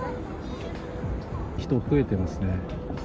人が増えてますね。